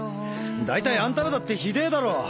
大体あんたらだってひでえだろ。